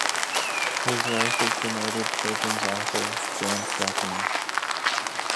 His wife is the noted children's author Jan Slepian.